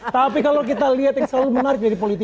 tapi kalau kita lihat yang selalu menarik dari politik